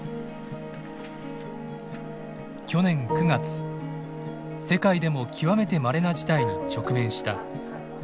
去年９月世界でも極めてまれな事態に直面した。